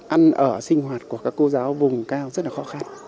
ăn ở sinh hoạt của các cô giáo vùng cao rất là khó khăn